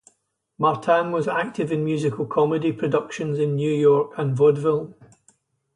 Martan was active in musical comedy productions in New York and in vaudeville.